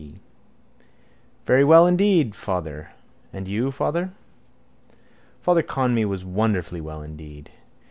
P. —Very well, indeed, father. And you, father? Father Conmee was wonderfully well indeed.